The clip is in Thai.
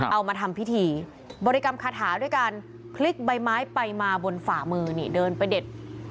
เอามาทำพิธีบริกรรมคาถาด้วยการพลิกใบไม้ไปมาบนฝ่ามือนี่เดินไปเด็ด